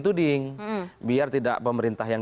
tuding biar tidak pemerintah yang